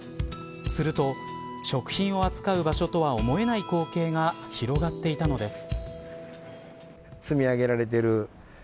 すると食品を扱う場所とは思えない光景が広がっていたのです。